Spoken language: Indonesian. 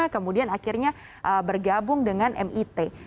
kemudian akhirnya bergabung dengan mit